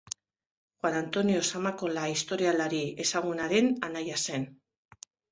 Juan Antonio Zamakola historialari ezagunaren anaia zen.